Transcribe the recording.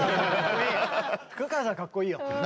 福川さんかっこいいよ。